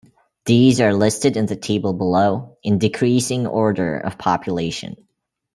These are listed in the table below, in decreasing order of population.